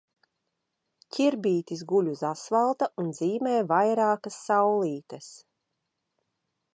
Ķirbītis guļ uz asfalta un zīmē vairākas saulītes.